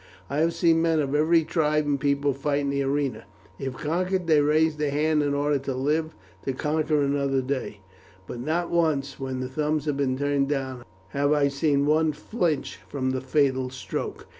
I have seen men of every tribe and people fight in the arena. If conquered, they raise their hand in order to live to conquer another day; but not once, when the thumbs have been turned down, have I seen one flinch from the fatal stroke."